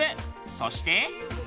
そして。